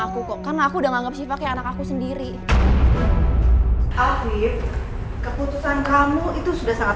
aku kok karena aku udah nganggep siva kayak anak aku sendiri akhir keputusan kamu itu sudah sangat